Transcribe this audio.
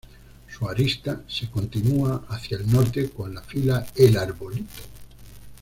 Su arista se continúa hacia el norte con la fila El Arbolito.